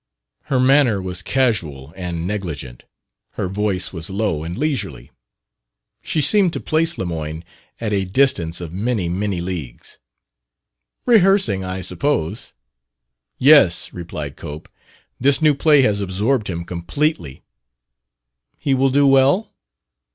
Her manner was casual and negligent; her voice was low and leisurely. She seemed to place Lemoyne at a distance of many, many leagues. "Rehearsing, I suppose?" "Yes," replied Cope. "This new play has absorbed him completely." "He will do well?"